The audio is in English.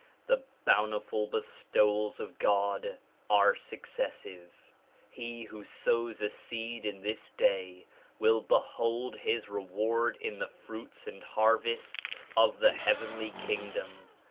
The bountiful bestowals of God are successive. He who sows a seed in this day will behold his reward in the fruits and harvest of the heavenly kingdom.